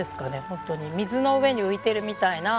ホントに水の上に浮いてるみたいな。